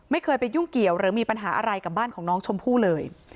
ไม่เคยไปยุ่งเกี่ยวหรือมีปัญหาอะไรกับบ้านของน้องชมพู่เลย